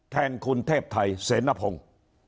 แทนคุณเทพไทยเสนพงศ์